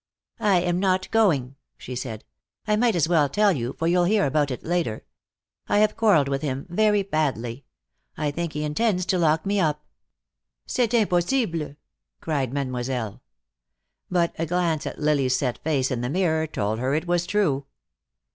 "I'm not going," she said. "I might as well tell you, for you'll hear about it later. I have quarreled with him, very badly. I think he intends to lock me up." "C'est impossible!" cried Mademoiselle. But a glance at Lily's set face in the mirror told her it was true.